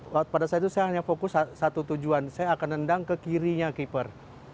waktu pada saat itu saya hanya fokus satu tujuan saya akan nendang ke kirinya keeper